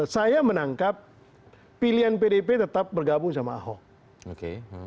saya menangkap pilihan pdip tetap bergabung sama ahok